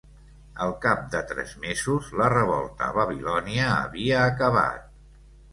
Al cap de tres mesos, la revolta a Babilònia havia acabat.